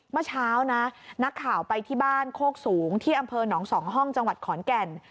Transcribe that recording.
เมื่อเช้านะนักข่าวไปที่บ้านโคกสูงที่อำเภอหนอง๒ห้องจังหวัดขอนแก่น